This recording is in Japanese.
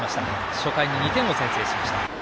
初回に２点を先制しました。